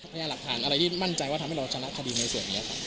พยายามหลักฐานอะไรที่มั่นใจว่าทำให้เราชนะคดีในส่วนนี้ครับ